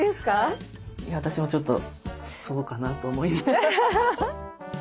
私もちょっとそうかなと思いながら。